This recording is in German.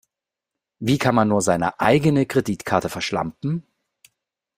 Wie kann man nur seine eigene Kreditkarte verschlampen?